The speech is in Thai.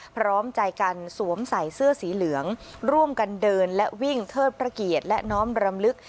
พร้อมใจกันสวมใส่เสื้อสีเหลืองร่วมกันเดินและวิ่งเทิดพระเกียรติและน้อมรำลึก